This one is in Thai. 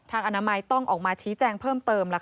อนามัยต้องออกมาชี้แจงเพิ่มเติม